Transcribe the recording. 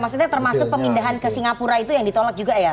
maksudnya termasuk pemindahan ke singapura itu yang ditolak juga ya